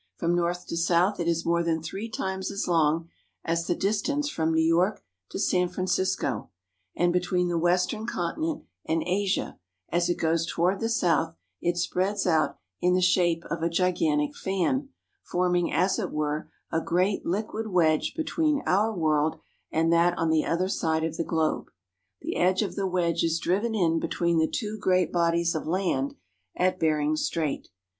From north to south it is more than three times as long as the distance from New York to San Francisco ; and between the Western Conti nent and Asia, as it goes toward the south, it spreads out in the shape of a gigantic fan, forming, as it were, a great liquid wedge between bur world and that on the other side of the globe. The edge of the wedge is driven in between i8 FROM AMERICA TO JAPAN the two great bodies of land at Bering Strait.